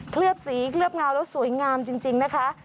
ลือบสีเคลือบเงาแล้วสวยงามจริงนะคะ